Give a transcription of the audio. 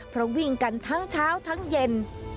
เพราะวิ่งกันทั้งเช้าทั้งเย็น